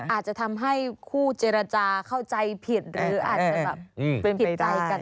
อาจจะทำให้คู่เจรจาเข้าใจผิดหรืออาจจะแบบผิดใจกัน